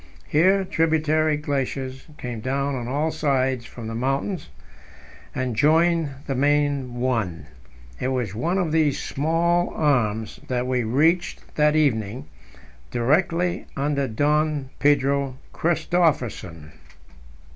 Here tributary glaciers came down on all sides from the mountains and joined the main one; it was one of these many small arms that we reached that evening, directly under Don Pedro Christophersen.